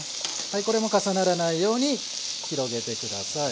これも重ならないように広げて下さい。